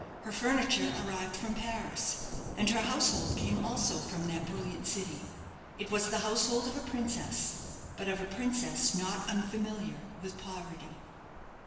Her furniture arrived from Paris, and her household came also from that brilliant city. It was the household of a princess; but of a princess not unfamiliar with poverty.